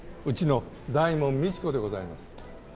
うちの大門未知子でございます。